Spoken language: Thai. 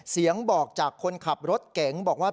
เสียงบอกจากคนขับรถเก๋งบอกว่า